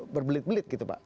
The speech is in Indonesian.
berbelit belit gitu pak